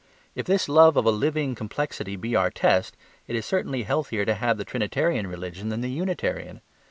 If this love of a living complexity be our test, it is certainly healthier to have the Trinitarian religion than the Unitarian.